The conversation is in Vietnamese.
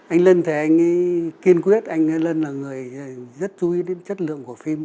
anh lân thì anh ấy kiên quyết anh lân là người rất chú ý đến chất lượng của phim